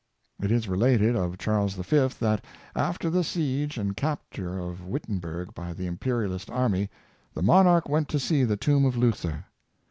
It is related of Charles V. that, after the siege and capture of Whittenberg by the ImperiaHst army, the monarch went to see the tomb of Luther.